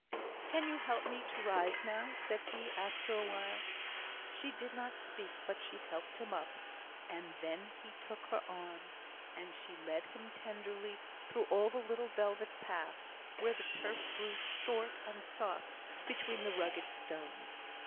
"Can you help me to rise now?" said he, after a while. She did not speak, but she helped him up, and then he took her arm, and she led him tenderly through all the little velvet paths, where the turf grew short and soft between the rugged stones.